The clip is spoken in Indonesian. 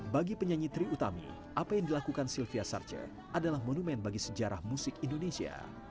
bagi penyanyi tri utami apa yang dilakukan sylvia sarce adalah monumen bagi sejarah musik indonesia